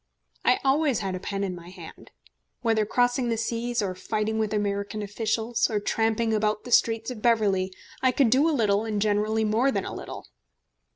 I always had a pen in my hand. Whether crossing the seas, or fighting with American officials, or tramping about the streets of Beverley, I could do a little, and generally more than a little.